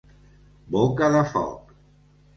Boca de foc.